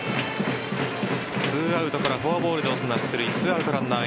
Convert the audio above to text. ２アウトからフォアボールでオスナ出塁２アウトランナー